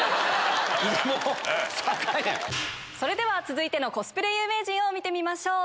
それでは続いてのコスプレ有名人を見てみましょう。